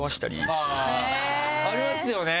ありますよね